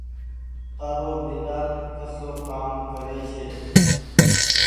تآرو ٻيٽآ ڪسو ڪآم ڪري ڇي۔